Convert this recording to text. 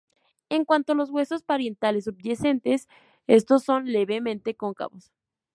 En cuanto a los huesos parietales subyacentes, estos son levemente cóncavos.